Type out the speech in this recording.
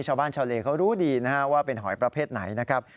ชาวบ้านชาวเลเขารู้ดีนะครับว่าเป็นหอยประเภทไหนนะครับ